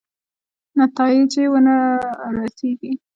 نتایجې ورنه رسېږي.